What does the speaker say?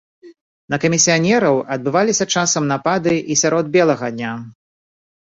На камісіянераў адбываліся часам напады і сярод белага дня.